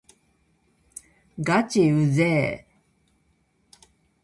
がちうぜぇ